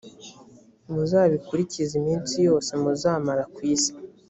muzabikurikize iminsi yose muzamara ku isi.